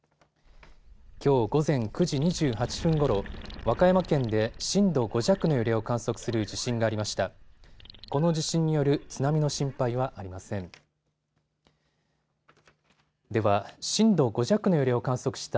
きょう午前９時２８分ごろ和歌山県で震度５弱の揺れを観測する地震がありました。